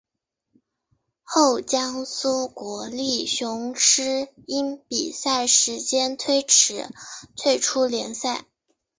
后江苏国立雄狮因比赛时间推迟退出联赛。